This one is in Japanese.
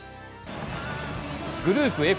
グループＦ